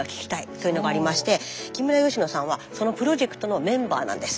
そういうのがありまして木村佳乃さんはそのプロジェクトのメンバーなんです。